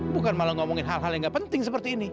bukan malah ngomongin hal hal yang gak penting seperti ini